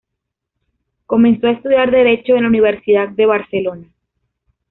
Comenzó a estudiar Derecho en la Universidad de Barcelona.